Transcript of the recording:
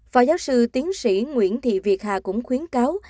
phó giáo sư tiến sĩ nguyễn thị việt hà cũng khuyến cáo